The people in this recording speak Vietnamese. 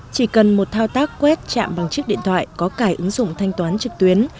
chỉ cần một thao tác quét chạm bằng chiếc điện thoại có cải ứng dụng thanh toán trực tuyến